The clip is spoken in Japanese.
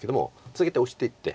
続けてオシていって。